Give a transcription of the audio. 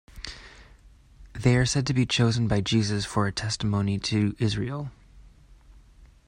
They are said to be chosen by Jesus, "for a testimony to Israel".